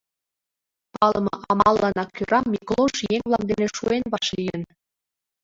Палыме амалланак кӧра Миклош еҥ-влак дене шуэн вашлийын.